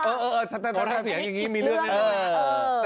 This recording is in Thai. เออถ้าตอน๕เสียงอย่างนี้มีเรื่องนี้ด้วย